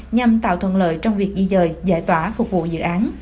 nhằm tạo thuận lợi trong việc di dời giải tỏa phục vụ dự án